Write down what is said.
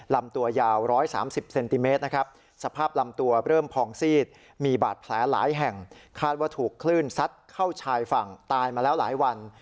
ลำตัวยาว๑๓๐เซนติเมตรนะครับสภาพลำตัวเริ่มพองซีดมีบาดแผลหลายแห่งคาดว่าถูกคลื่นซัดเข้าชายฝั่งตายมาแล้วหลายวัน